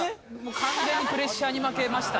完全にプレッシャーに負けましたね。